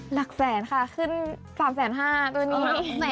หลักแสนค่ะขึ้น๓๕๐๐ตัวนี้